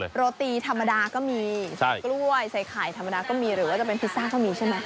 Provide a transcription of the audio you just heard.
โรตีธรรมดาก็มีกล้วยใส่ไข่ธรรมดาก็มีหรือว่าจะเป็นพิซซ่าก็มีใช่ไหม